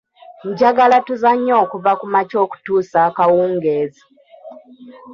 Njagala tuzannye okuva ku makya okutuusa akawungeezi.